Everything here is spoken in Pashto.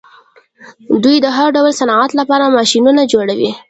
دوی د هر ډول صنعت لپاره ماشینونه جوړوي.